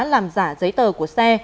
làm giả giấy tờ của xe